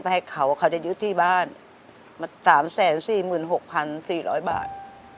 ไปให้เขาเขาจะยืดที่บ้านสามแสนสี่หมื่นหกพันสี่ร้อยบาท